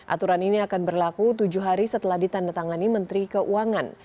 aturan ini akan berlaku tujuh hari setelah ditandatangani menteri keuangan